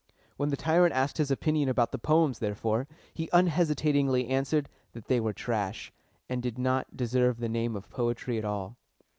When the tyrant asked his opinion about the poems, therefore, he unhesitatingly answered that they were trash, and did not deserve the name of poetry at all.